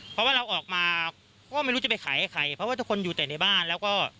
เพราะว่าเราออกมาก็ไม่รู้จะไปขายให้ใครเพราะว่าทุกคนอยู่แต่ในบ้านแล้วก็